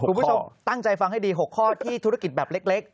คุณผู้ชมตั้งใจฟังให้ดี๖ข้อที่ธุรกิจแบบเล็ก